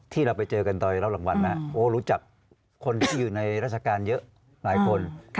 ที่เราไปเจอกันตอนรับรางวัลมาโอ้รู้จักคนที่อยู่ในราชการเยอะหลายคน